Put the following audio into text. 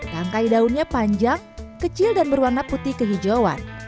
tangkai daunnya panjang kecil dan berwarna putih kehijauan